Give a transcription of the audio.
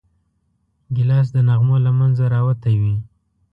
ګیلاس د نغمو له منځه راوتی وي.